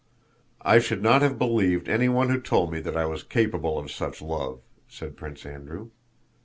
"I should not have believed anyone who told me that I was capable of such love," said Prince Andrew.